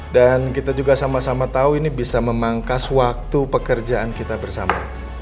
dan kita juga sama sama tahu ini bisa memangkas waktu pekerjaan kita bersama